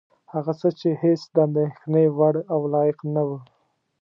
هغه څه چې هېڅ د اندېښنې وړ او لایق نه وه.